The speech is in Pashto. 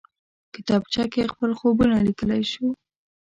کتابچه کې خپل خوبونه لیکلی شو